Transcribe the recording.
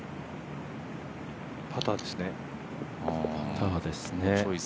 パターですね。